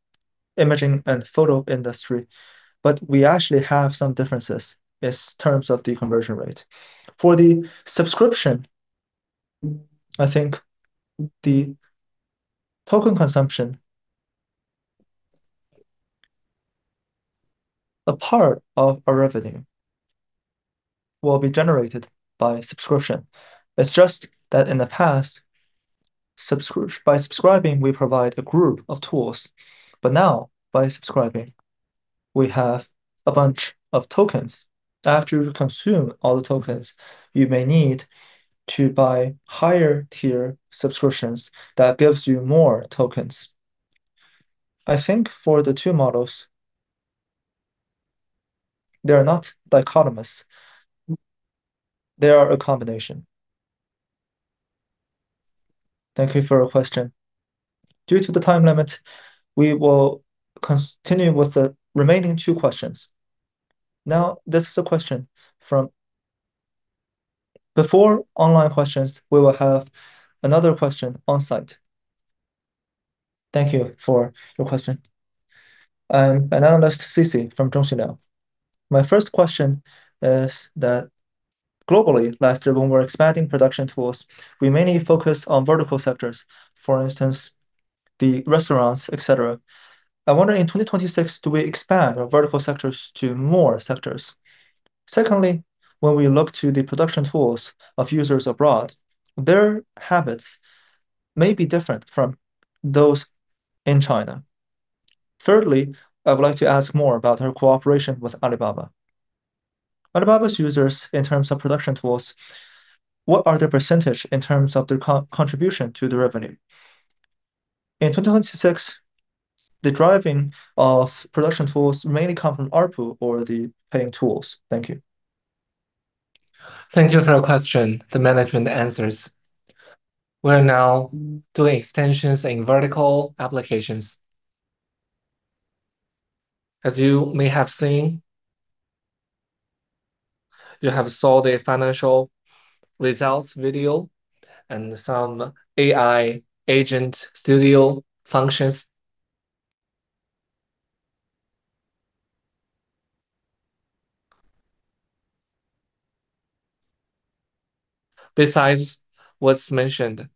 S4: imaging and photo industry but we actually have some differences in terms of the conversion rate. For the subscription, I think the token consumption, a part of our revenue will be generated by subscription. It's just that in the past, by subscribing, we provide a group of tools. Now, by subscribing, we have a bunch of tokens. After you consume all the tokens, you may need to buy higher tier subscriptions that gives you more tokens. I think for the two models, they are not dichotomous, they are a combination.
S1: Thank you for your question. Due to the time limit, we will continue with the remaining two questions. Now, this is a question from. Before online questions, we will have another question on-site. Thank you for your question.
S10: I'm analyst CC from. My first question is that globally, last year when we were expanding production tools, we mainly focused on vertical sectors, for instance, the restaurants, et cetera. I wonder in 2026, do we expand our vertical sectors to more sectors? Secondly, when we look to the production tools of users abroad, their habits may be different from those in China. Thirdly, I would like to ask more about your cooperation with Alibaba. Alibaba's users in terms of production tools, what are their percentage in terms of their co-contribution to the revenue? In 2026, the driving of production tools mainly come from ARPU or the paying tools. Thank you.
S1: Thank you for your question. The management answers.
S2: We are now doing extensions in vertical applications. As you may have seen, you have saw the financial results video and some AI agent studio functions. Besides what's mentioned,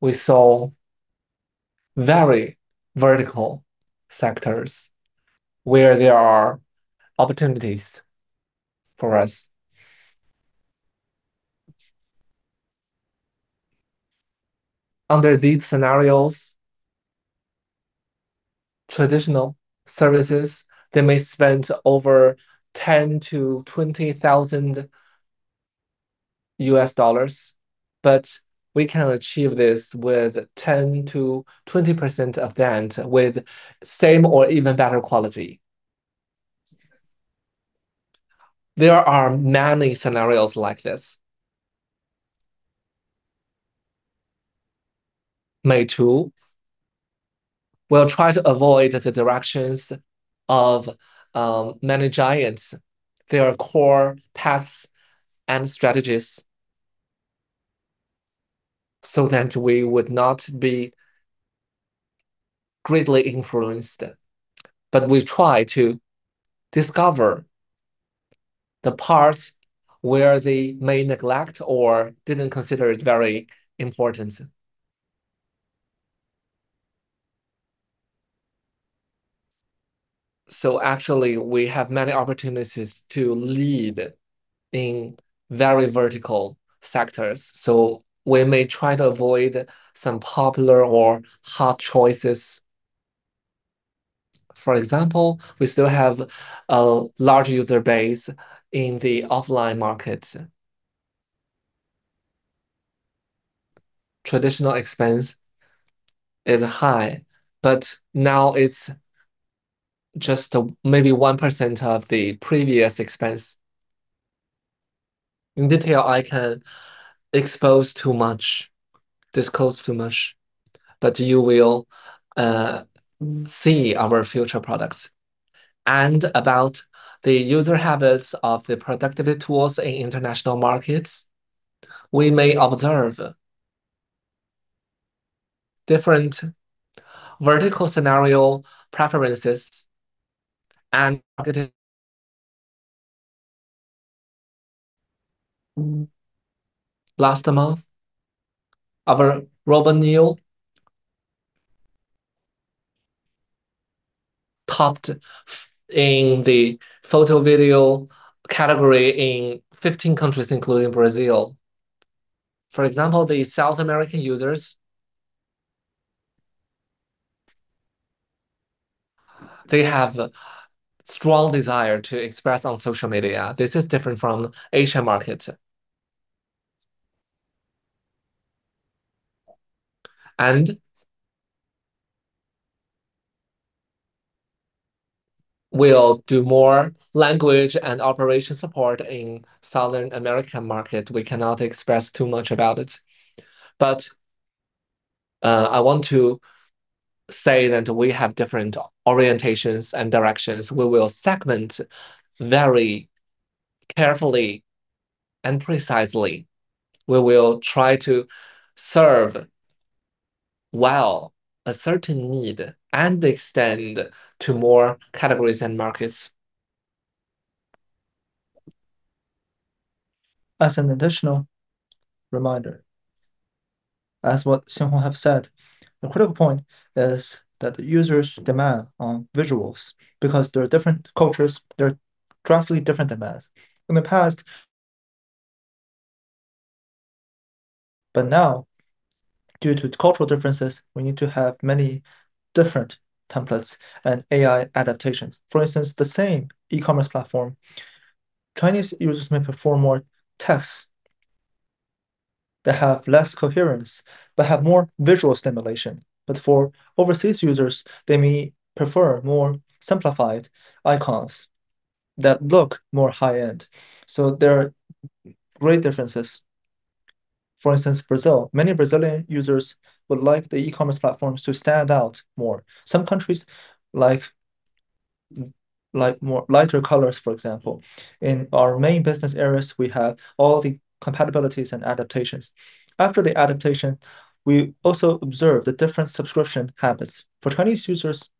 S2: we saw very vertical sectors where there are opportunities for us. Under these scenarios, traditional services, they may spend over $10,000-$20,000 but we can achieve this with 10%-20% of that with same or even better quality. There are many scenarios like this. Meitu will try to avoid the directions of, many giants, their core paths and strategies, so that we would not be greatly influenced. We try to discover the parts where they may neglect or didn't consider it very important. Actually, we have many opportunities to lead in very vertical sectors. We may try to avoid some popular or hard choices. For example, we still have a large user base in the offline market. Traditional expense is high but now it's just maybe 1% of the previous expense. In detail, I cannot disclose too much but you will see our future products. About the user habits of the productivity tools in international markets, we may observe different vertical scenario preferences and targeted. Last month, our RoboNeo topped in the photo video category in 15 countries, including Brazil. For example, the South American users. They have strong desire to express on social media. This is different from Asia market. We'll do more language and operation support in South American market. We cannot express too much about it. I want to say that we have different orientations and directions. We will segment very carefully and precisely. We will try to serve well a certain need and extend to more categories and markets.
S4: As an additional reminder, as what Xinhong have said, the critical point is that the users demand on visuals because there are different cultures, there are drastically different demands. Now, due to cultural differences, we need to have many different templates and AI adaptations. For instance, the same e-commerce platform, Chinese users may prefer more texts that have less coherence but have more visual stimulation. For overseas users, they may prefer more simplified icons that look more high-end. There are great differences. For instance, Brazil, many Brazilian users would like the e-commerce platforms to stand out more. Some countries like more lighter colors, for example. In our main business areas, we have all the compatibilities and adaptations. After the adaptation, we also observe the different subscription habits. For Chinese users,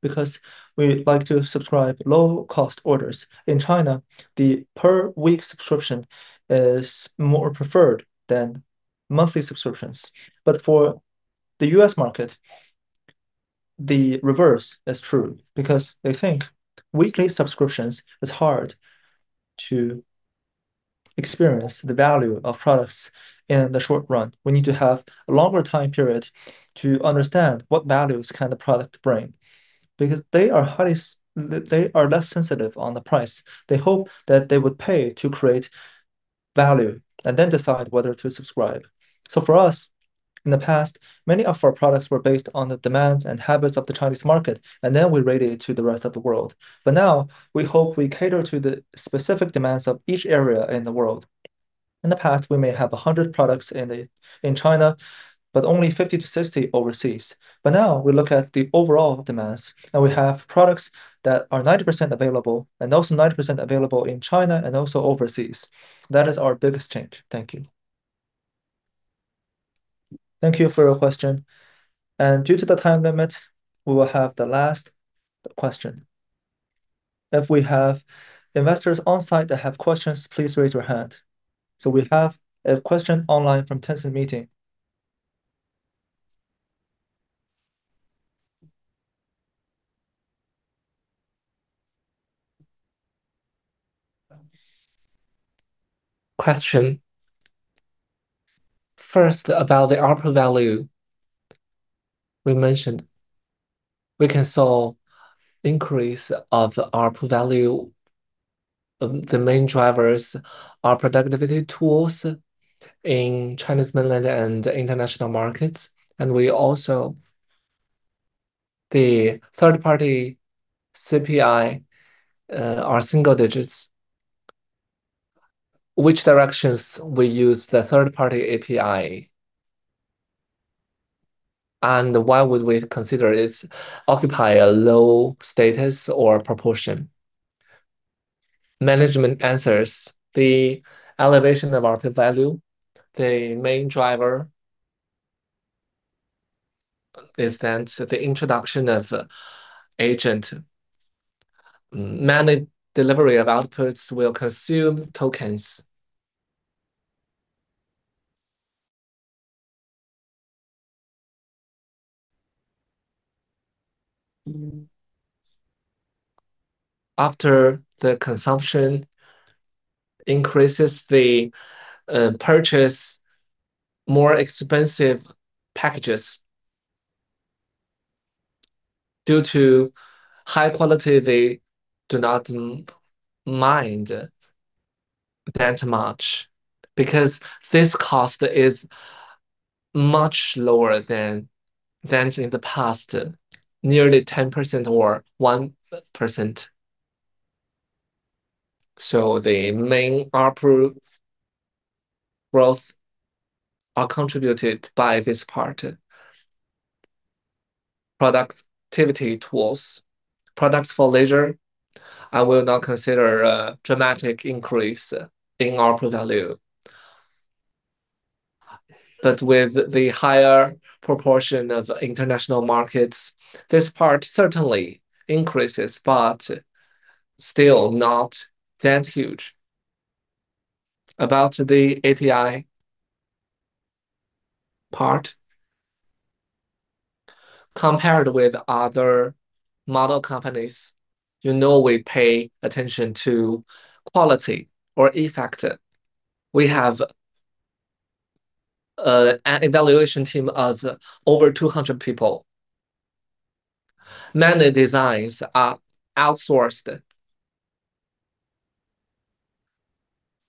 S4: because we like to subscribe low-cost orders, in China, the per week subscription is more preferred than monthly subscriptions. But for the U.S. market, the reverse is true because they think weekly subscriptions is hard to experience the value of products in the short run. We need to have a longer time period to understand what values can the product bring because they are less sensitive on the price. They hope that they would pay to create value and then decide whether to subscribe. For us, in the past, many of our products were based on the demands and habits of the Chinese market and then we radiate to the rest of the world. Now, we hope we cater to the specific demands of each area in the world. In the past, we may have 100 products in China but only 50-60 overseas. Now we look at the overall demands and we have products that are 90% available and also 90% available in China and also overseas. That is our biggest change. Thank you.
S1: Thank you for your question. Due to the time limit, we will have the last question. If we have investors on site that have questions, please raise your hand. We have a question online from Tencent Meeting. First, about the ARPU value we mentioned, we saw increase of ARPU value. The main drivers are productivity tools in Chinese mainland and international markets. The third party CPI are single digits. Which directions we use the third party API? And why would we consider it occupy a low status or proportion? Management answers.
S4: The elevation of ARPU value. The main driver is the introduction of agent. Many delivery of outputs will consume tokens. After the consumption increases, they purchase more expensive packages. Due to high quality, they do not mind that much because this cost is much lower than in the past, nearly 10% or 1%. The main ARPU growth are contributed by this part. Productivity tools, products for leisure, I will not consider a dramatic increase in ARPU value. With the higher proportion of international markets, this part certainly increases but still not that huge. About the API part, compared with other model companies, you know we pay attention to quality or effect. We have an evaluation team of over 200 people. Many designs are outsourced.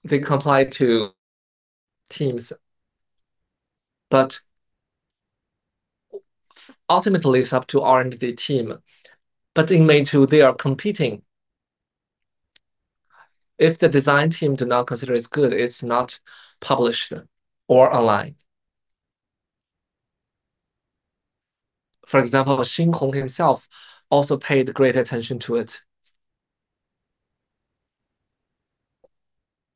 S4: They comply to teams but ultimately it's up to R&D team. In Meitu, they are competing. If the design team do not consider it's good, it's not published or online. For example, Xinhong himself also paid great attention to it.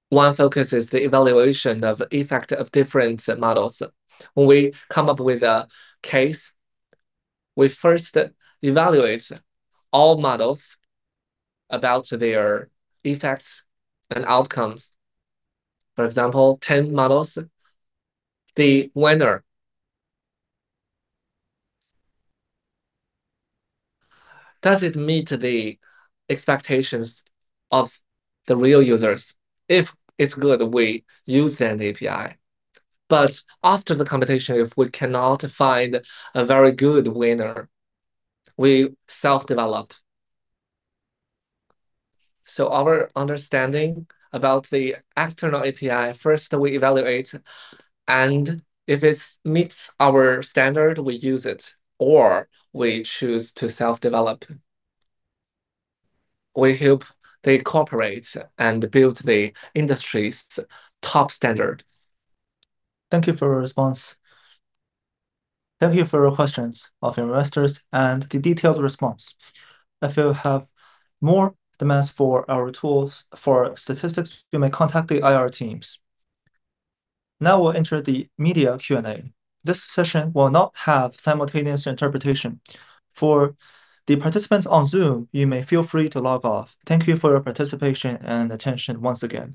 S4: One focus is the evaluation of effect of different models. When we come up with a case, we first evaluate all models about their effects and outcomes. For example, 10 models, the winner. Does it meet the expectations of the real users? If it's good, we use then the API. After the competition, if we cannot find a very good winner, we self-develop. Our understanding about the external API, first we evaluate and if it meets our standard, we use it or we choose to self-develop. We hope they cooperate and build the industry's top standard.
S1: Thank you for your response. Thank you for your questions of investors and the detailed response. If you have more demands for our tools for statistics, you may contact the IR teams. Now we'll enter the media Q&A. This session will not have simultaneous interpretation. For the participants on Zoom, you may feel free to log off. Thank you for your participation and attention once again.